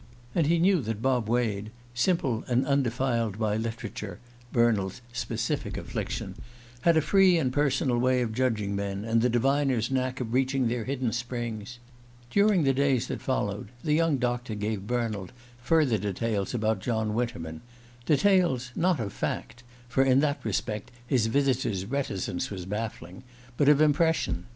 And he knew that Bob Wade, simple and undefiled by literature Bernald's specific affliction had a free and personal way of judging men, and the diviner's knack of reaching their hidden springs. During the days that followed, the young doctor gave Bernald farther details about John Winterman: details not of fact for in that respect his visitor's reticence was baffling but of impression.